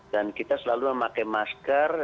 dan kita selalu memakai masker